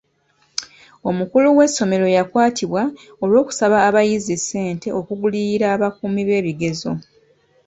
Omukulu w'essomero yakwatibwa olw'okusaba abayizi ssente okugulirira abakuumi b'ebigezo.